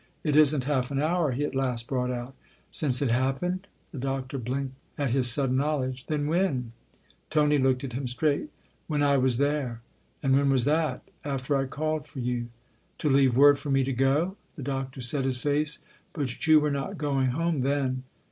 " It isn't half an hour," he at last brought out. " Since it happened ?" The Doctor blinked at his sudden knowledge. " Then when ?" Tony looked at him straight. "When I was there." " And when was that ?" "After I called for you." " To leave word for me to go ?" The Doctor set his face. " But you were not going home then."